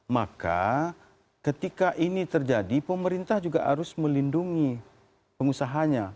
maka ketika ini terjadi pemerintah juga harus melindungi pengusahanya